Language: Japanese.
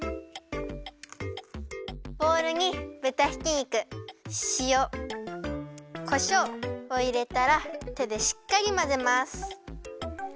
ボウルにぶたひき肉しおこしょうをいれたらてでしっかりまぜます。